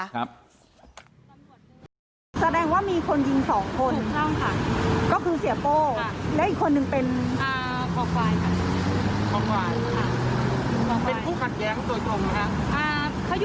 แสดงว่ามีคนยิงสองคนก็คือเสียโป้และอีกคนนึงเป็นคอควายค่ะ